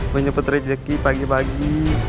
menyempet rejeki pagi pagi